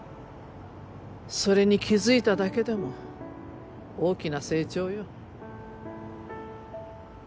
それに気付いただけでも大きな成長よ。